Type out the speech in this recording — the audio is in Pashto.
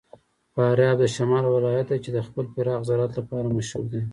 فاریاب د شمال ولایت دی چې د خپل پراخ زراعت لپاره مشهور دی.